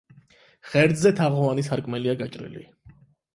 ღერძზე თაღოვანი სარკმელია გაჭრილი.